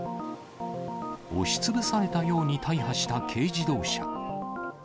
押しつぶされたように大破した軽自動車。